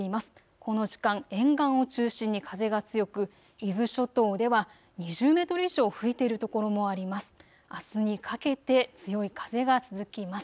この時間、沿岸を中心に風が強く伊豆諸島では２０メートル以上吹いているところもあります。